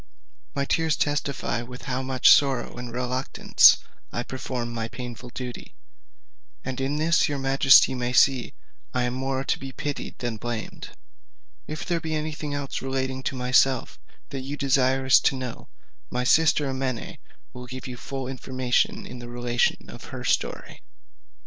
My tears testify with how much sorrow and reluctance I perform this painful duty; and in this your majesty may see I am more to be pitied than blamed. If there be any thing else relating to myself that you desire to know, my sister Amene will give you full information in the relation of her story.